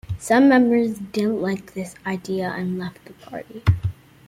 Some members didn't like this idea and left the party.